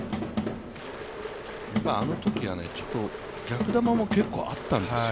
あのときは逆球も結構あったんですよ。